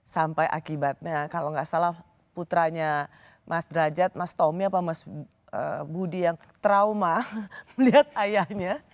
sampai akibatnya kalau nggak salah putranya mas derajat mas tommy apa mas budi yang trauma melihat ayahnya